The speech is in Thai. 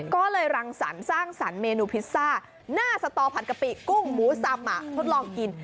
ก็เลยรังสรรค์สร้างสรรค์เมนูพิซซ่าหน้าสตอผัดกะปิกุ้งหมูซำทดลองกิน